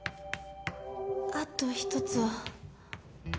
あと一つは。